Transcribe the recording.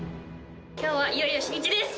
今日はいよいよ初日です。